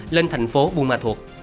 lên thành phố bu ma thuột